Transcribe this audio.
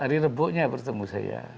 hari rebuknya bertemu saya